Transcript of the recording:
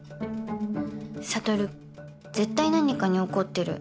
悟絶対何かに怒ってる